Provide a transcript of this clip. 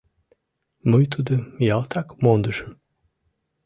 Мый тудым ялтак мондышым.